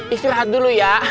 istri lihat dulu ya